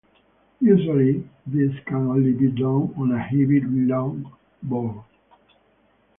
Usually this can only be done on a heavy longboard.